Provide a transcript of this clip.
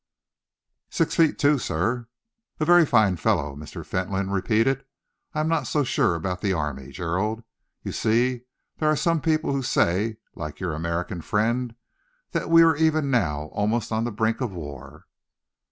"Six feet two, sir." "A very fine fellow," Mr. Fentolin repeated. "I am not so sure about the army, Gerald. You see, there are some people who say, like your American friend, that we are even now almost on the brink of war."